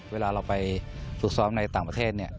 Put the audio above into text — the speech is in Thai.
เวลาเราไปฝึกซ้อมในต่างประเทศเนี่ย